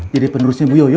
jadi penerusnya bu yoyo